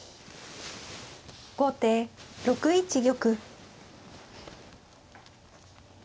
後手６一玉。